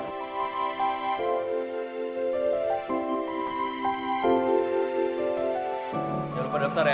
jangan lupa daftar ya